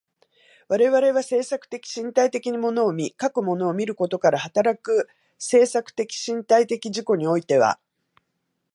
我々は制作的身体的に物を見、かく物を見ることから働く制作的身体的自己においては、